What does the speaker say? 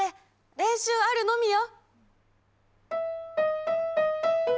練習あるのみよ！